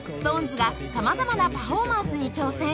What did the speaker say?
ＳｉｘＴＯＮＥＳ が様々なパフォーマンスに挑戦